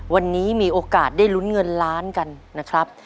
วันนี้มีโอกาสได้ลุ้นเงินล้านกันนะครับ